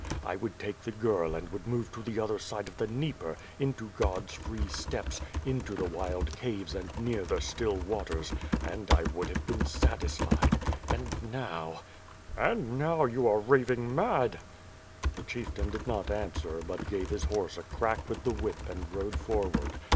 I would take the girl and would move to the other side of the Dnieper, into God's free steppes; into the wild caves and near the still waters — ^and I would have been satisfied — and WITH FIRE AND SWORD. 22 1 "And now you are raving mad." The chief tan did not answer, but gave his horse a crack with the whip and rode forward.